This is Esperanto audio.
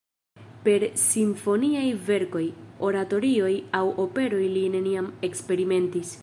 Per simfoniaj verkoj, oratorioj aŭ operoj li neniam eksperimentis.